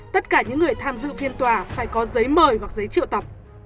tất cả những người tham dự phiên tòa phải có giấy mời hoặc giấy triệu tập